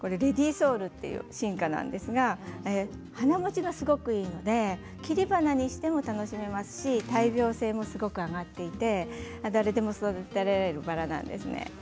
ソウルという新花なんですが花もちがすごくいいので切り花にしても楽しめますし耐病性もすごく上がっていて誰でも育てられるバラなんですね。